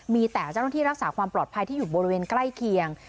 มีแต่เจ้าหน้าที่รักษาความปลอดภัยที่อยู่บริเวณใกล้เคียง